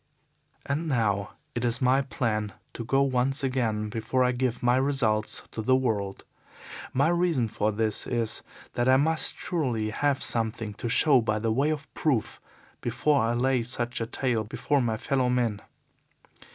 "And now it is my plan to go once again before I give my results to the world. My reason for this is that I must surely have something to show by way of proof before I lay such a tale before my fellow men.